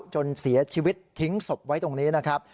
จนเสียชีวิตทิ้งศพไว้ตรงนี้นะครับ